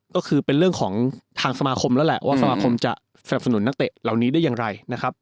ก็คือเป็นเรื่องของทางสมาคมแล้วแหละว่าสมาคมจะสนับสนุนนักเตะเหล่านี้ได้อย่างไรนะครับ